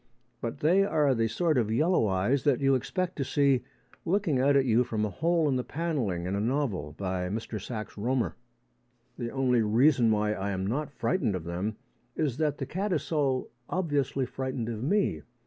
But they are the sort of yellow eyes that you expect to see looking out at you from a hole in the panelling in a novel by Mr Sax Rohmer. The only reason why I am not frightened of them is that the cat is so obviously frightened of me.